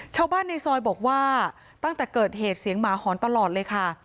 ชาวบ้านในซอยบอกว่าตั้งแต่เกิดเหตุเสียงหมาหอนตลอดเลยค่ะ